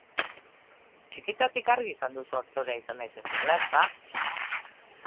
Txikitatik argi izan duzu aktorea izan nahi zenuela, ezta?